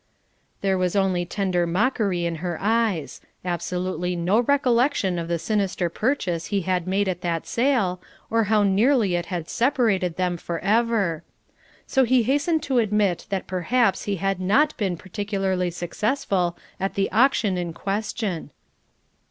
There was only tender mockery in her eyes; absolutely no recollection of the sinister purchase he had made at that sale, or how nearly it had separated them for ever. So he hastened to admit that perhaps he had not been particularly successful at the auction in question.